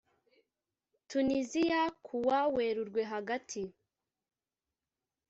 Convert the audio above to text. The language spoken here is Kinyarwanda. Tuniziya kuwa werurwe hagati